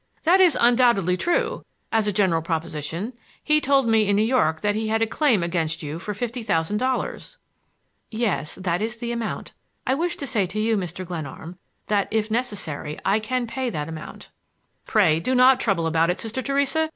"That is undoubtedly true, as a general proposition. He told me in New York that he had a claim against you for fifty thousand dollars." "Yes; that is the amount. I wish to say to you, Mr. Glenarm, that if it is necessary I can pay that amount." "Pray do not trouble about it, Sister Theresa.